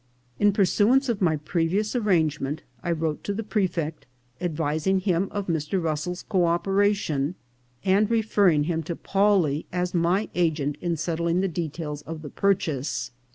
In pursuance of my previous arrangement I wrote to the prefect, advising him of Mr. Russell's co operation, and referring him to Paw ling as my agent in settling the details of the purchase.